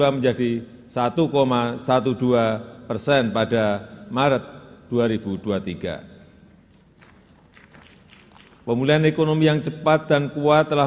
dua menjadi satu dua belas persen pada maret dua ribu dua puluh tiga pemulihan ekonomi yang cepat dan kuat telah